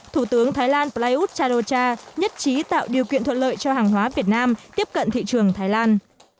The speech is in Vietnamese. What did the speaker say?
thủ tướng thái lan prayuth chan o cha nhất trí tạo điều kiện thuận lợi cho hàng hóa việt nam tiếp cận thị trường thái lan